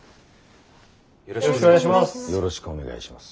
よろしくお願いします。